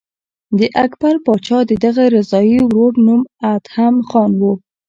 د اکبر پاچا د دغه رضاعي ورور نوم ادهم خان و.